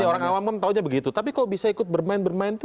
tapi orang awam tahunya begitu tapi kok bisa ikut bermain bermain itu